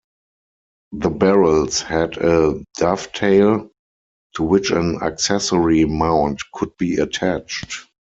The barrels had a dovetail, to which an accessory mount could be attached.